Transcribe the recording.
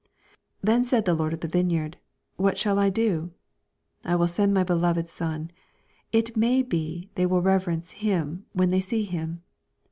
18 Then said the Lord of the vine yard, What shall I do ? I will send n)y beloved son : it may be they will rpverenoe him when they see him.